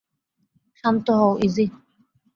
শান্ত হও, ইযি।